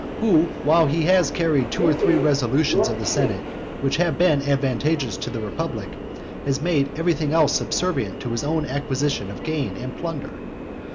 who, while he has carried two or three resolutions of the senate which have been advantageous to the republic, has made everything else subservient to his own acquisition of gain and plunder?